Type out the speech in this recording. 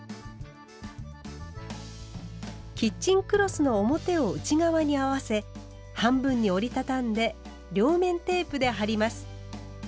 キッチンクロスの表を内側に合わせ半分に折り畳んで両面テープで貼ります。